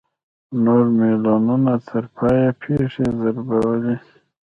نورو مېلمنو تر پایه پښې دربولې.